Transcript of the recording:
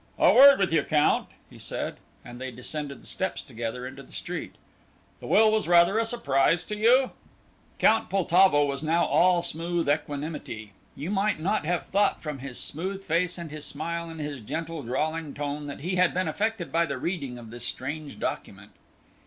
"A word with you, Count," he said, and they descended the steps together into the street. "The will was rather a surprise to you?" Count Poltavo was now all smooth equanimity. You might not have thought from his smooth face and his smile, and his gentle drawling tone, that he had been affected by the reading of this strange document.